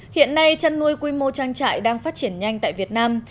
hiện nay chăn nuôi quy mô trang trại đang phát triển nhanh tại việt nam